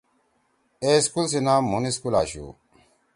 اے اسکول سی نام مُھون اسکول آشُو۔